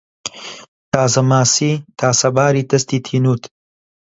تازەماسیی تاسەباری دەستی تینووت